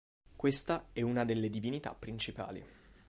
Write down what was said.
Questa è una delle divinità principali.